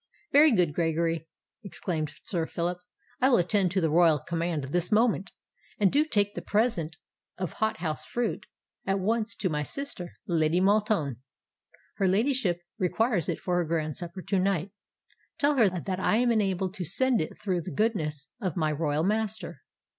"Very good, Gregory," exclaimed Sir Phillip: "I will attend to the royal command this moment; and do you take the present of hot house fruit at once to my sister, Lady Maltoun. Her ladyship requires it for her grand supper to night. Tell her that I am enabled to send it through the goodness of my royal master."